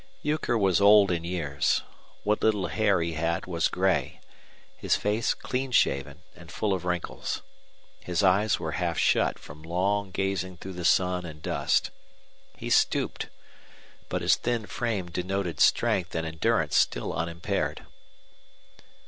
Euchre was old in years. What little hair he had was gray, his face clean shaven and full of wrinkles; his eyes were half shut from long gazing through the sun and dust. He stooped. But his thin frame denoted strength and endurance still unimpaired.